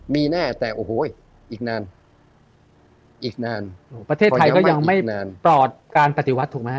มีแน่แต่โอ้โหอีกนานอีกนานประเทศไทยก็ยังไม่ปลอดการปฏิวัติถูกไหมฮ